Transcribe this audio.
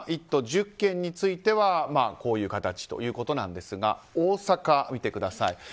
１都１０県についてはこういう形ということなんですが大阪、見てください。